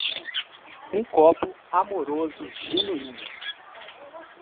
Um copo amoroso genuíno.